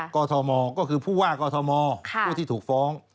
กธมก็คือผู้ว่ากอทมผู้ที่ถูกฟ้อง